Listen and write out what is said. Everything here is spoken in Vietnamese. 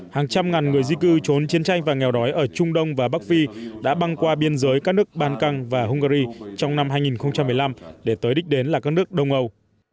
hàng trăm ngàn người di cư trốn chiến tranh và nghèo đói ở trung đông và bắc phi đã băng qua biên giới các nước ban căng và hungary trong năm hai nghìn một mươi năm để tới đích đến là các nước đông âu